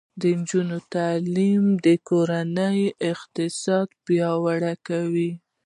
د نجونو تعلیم د کورنۍ اقتصاد پیاوړی کوي.